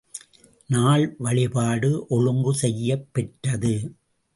நாள்வழிபாடு ஒழுங்கு செய்யப் பெற்றது.